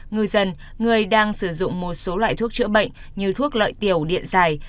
người dân người đang sử dụng một số loại thuốc chữa bệnh như thuốc lợi tiểu điện giải